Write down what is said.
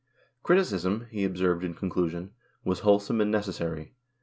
Criticism, he observed in conclusion, was wholesome and necessary.